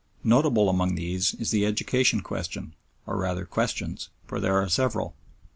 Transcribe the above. Notable among these is the education question, or rather questions, for there are several.